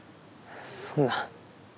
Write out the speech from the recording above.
そんな。